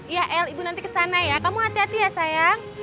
ya el ibu nanti kesana ya kamu hati hati ya sayang